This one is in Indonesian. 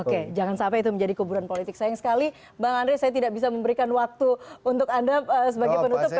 oke jangan sampai itu menjadi kuburan politik sayang sekali bang andre saya tidak bisa memberikan waktu untuk anda sebagai penutup